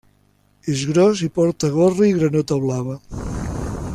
És gros, i porta gorra i granota blava.